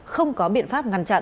không có biện pháp ngăn chặn